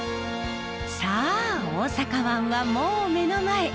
さあ大阪湾はもう目の前。